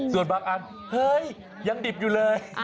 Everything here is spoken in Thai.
ส่วนบางอันเฮ้ยยังดิบอยู่เลย